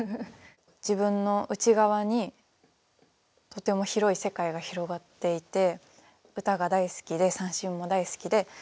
自分の内側にとても広い世界が広がっていて歌が大好きで三線も大好きで。